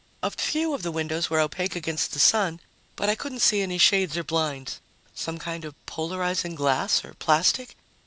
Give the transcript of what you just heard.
A few of the windows were opaque against the sun, but I couldn't see any shades or blinds. Some kind of polarizing glass or plastic?